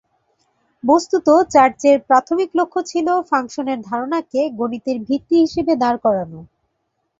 বস্তুত, চার্চের প্রাথমিক লক্ষ্য ছিল ফাংশনের ধারণাকে গণিতের ভিত্তি হিসেবে দাঁড় করানো।